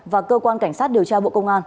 và cơ quan cảnh sát điều tra bộ công an